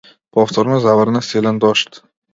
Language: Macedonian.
Повторно заврна силен дожд.